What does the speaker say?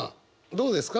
どうですか？